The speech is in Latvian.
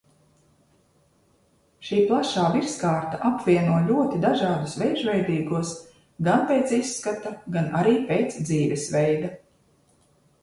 Šī plašā virskārta apvieno ļoti dažādus vēžveidīgos gan pēc izskata, gan arī pēc dzīvesveida.